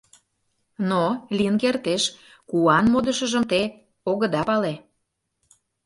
Но, лийын кертеш, куан модышыжым те огыда пале?